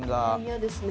嫌ですね。